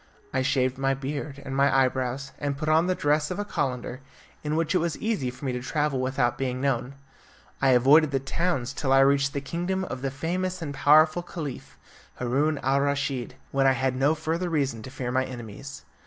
I shaved my beard and my eyebrows, and put on the dress of a calender, in which it was easy for me to travel without being known. I avoided the towns till I reached the kingdom of the famous and powerful Caliph, Haroun al Raschid, when I had no further reason to fear my enemies.